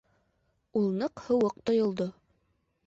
Ул ныҡ һыуыҡ тойолдо.